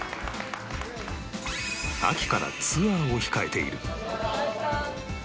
秋からツアーを控えている